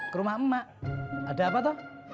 ke rumah emak ada apa tuh